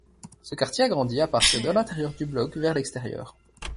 Ce quartier a grandi à partir de l'intérieur du bloc vers l'extérieur.